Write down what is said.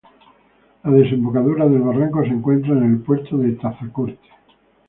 La desembocadura del barranco se encuentra en el Puerto de Tazacorte.